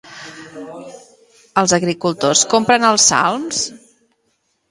Els agricultors comprenen els psalms?